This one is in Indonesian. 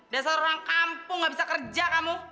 dasar orang kampung gak bisa kerja kamu